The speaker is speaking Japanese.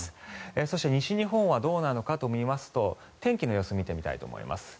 そして、西日本はどうなのかと見ますと天気の様子を見てみたいと思います。